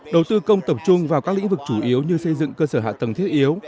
đầu tư công tập trung vào các lĩnh vực chủ yếu như xây dựng cơ sở hạ tầng thiết yếu